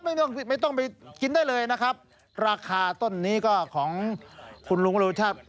ไม่ต้องไม่ต้องไปกินได้เลยนะครับราคาต้นนี้ก็ของคุณลุงโรชาติ